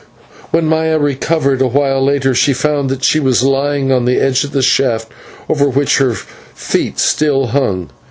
When Maya recovered a while later, she found that she was lying on the edge of the shaft, over which her feet still hung.